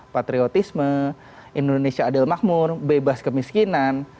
patriotisme indonesia adil makmur bebas kemiskinan